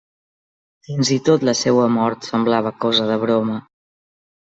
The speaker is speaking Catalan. Fins i tot la seua mort semblava cosa de broma.